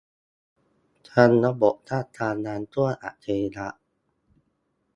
ทั้งระบบคาดการณ์น้ำท่วมอัจฉริยะ